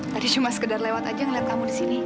tadi cuma sekedar lewat aja ngeliat kamu disini